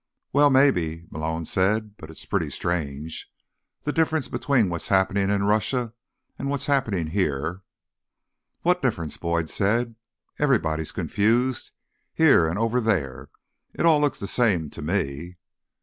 "Well, maybe," Malone said. "But it is pretty strange. The difference between what's happening in Russia and what's happening here—" "What difference?" Boyd said. "Everybody's confused. Here, and over there. It all looks the same to me."